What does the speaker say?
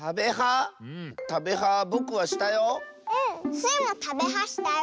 スイも「たべは」したよ。